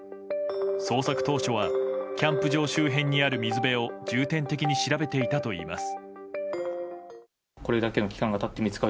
捜索当初はキャンプ場周辺にある水辺を重点的に調べていたといいます。